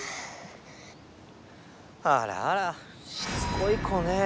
あらあらしつこい子ねえ。